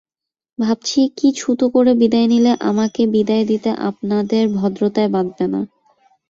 ভাবছি কী ছুতো করে বিদায় নিলে আমাকে বিদায় দিতে আপনাদের ভদ্রতায় বাধবে না।